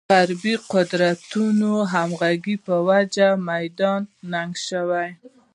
غربې قدرتونو همغږۍ په وجه میدان تنګ شوی.